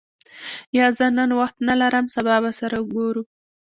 یا، زه نن وخت نه لرم سبا به سره ګورو.